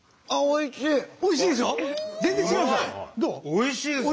おいしいでしょ。